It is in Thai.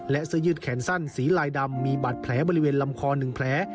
และเสื้อยืดแขนสั้นสีลายดำมีบาดแผลบริเวณลำคอ๑แผล